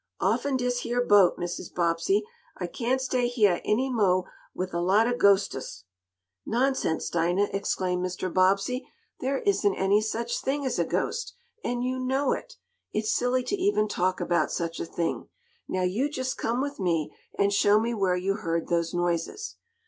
"Offen dish yeah boat, Mrs. Bobbsey. I cain't stay heah any mo' wif a lot of ghostests." "Nonsense, Dinah!" exclaimed Mr. Bobbsey. "There isn't any such thing as a ghost, and you know it! It's silly to even talk about such a thing. Now you just come with me, and show me where you heard those noises."